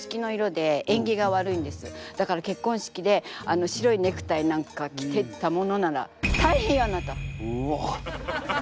だから結婚式であの白いネクタイなんか着てったものならうわっ。